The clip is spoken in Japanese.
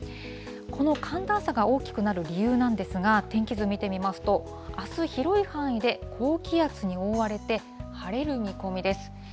この寒暖差が大きくなる理由なんですが、天気図見てみますと、あす広い範囲で高気圧に覆われて、晴れる見込みです。